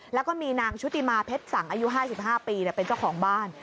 แล้วก็มีนางชุติมาเพชรสังอายุ๕๕ปีเป็นเจ้าของบ้าน